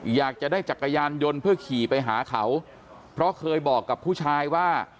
อยากจะได้จักรยานยนต์เพื่อขี่ไปหาเขาเพราะเคยบอกกับผู้ชายว่า